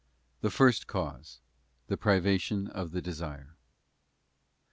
The first cause, the privation of the desire.